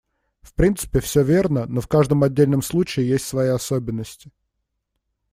В принципе, всё верно, но в каждом отдельном случае есть свои особенности.